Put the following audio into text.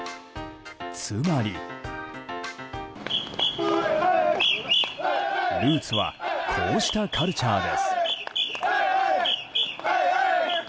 つまり、ルーツはこうしたカルチャーです。